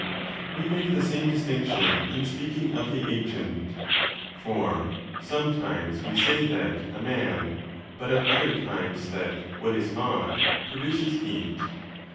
(We make the same 20 distinction in speaking of the agent: for sometimes we say that 'the man', but at other times that 'what is hot', pro BOOK I. 7 duces heat.)